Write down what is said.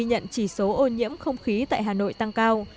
trong những ngày ghi nhận chỉ số ô nhiễm không khí tại hà nội tăng cao